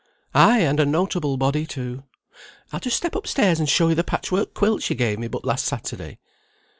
"Ay, and a notable body, too. I'll just step up stairs and show you the patchwork quilt she gave me but last Saturday."